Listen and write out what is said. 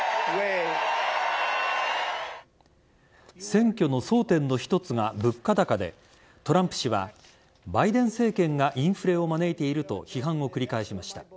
選挙の争点の一つが物価高でトランプ氏はバイデン政権がインフレを招いていると批判を繰り返しました。